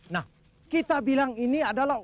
nah kita bilang ini adalah